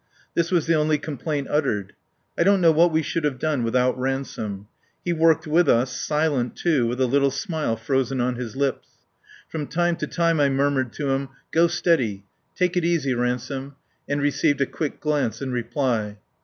This was the only complaint uttered. I don't know what we should have done without Ransome. He worked with us, silent, too, with a little smile frozen on his lips. From time to time I murmured to him: "Go steady" "Take it easy, Ransome" and received a quick glance in reply.